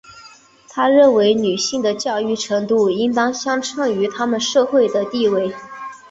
她认为女性的教育程度应当相称于她们的社会地位。